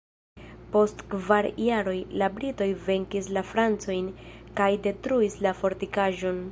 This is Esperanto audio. Post kvar jaroj, la britoj venkis la francojn kaj detruis la fortikaĵon.